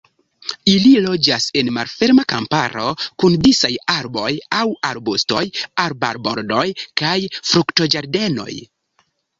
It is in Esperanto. Ili loĝas en malferma kamparo kun disaj arboj aŭ arbustoj, arbarbordoj kaj fruktoĝardenoj.